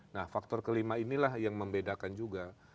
nah faktor kelima inilah yang membedakan juga